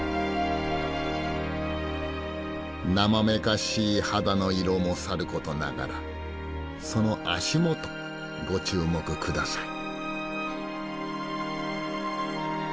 艶かしい肌の色もさることながらその足元ご注目ください。